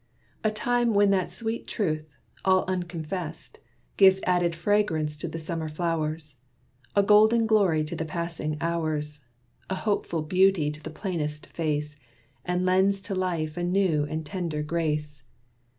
A time when that sweet truth, all unconfessed, Gives added fragrance to the summer flowers, A golden glory to the passing hours, A hopeful beauty to the plainest face, And lends to life a new and tender grace.